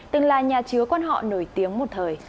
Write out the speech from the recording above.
từng là nhà chứa quan họ nổi tiếng một thời